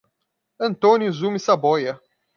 Antônio Zume Saboia